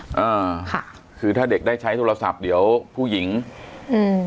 อ่าค่ะคือถ้าเด็กได้ใช้โทรศัพท์เดี๋ยวผู้หญิงอืม